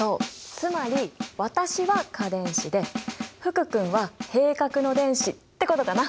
つまり私は価電子で福君は閉殻の電子ってことかな。